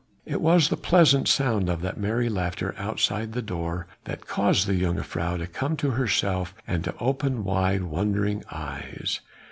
It was the pleasant sound of that merry laughter outside the door that caused the jongejuffrouw to come to herself and to open wide, wondering eyes.